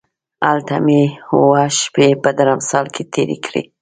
هلته مې اووه شپې په درمسال کې تېرې کړې.